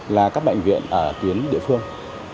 là các bệnh viện ở tuyến địa phương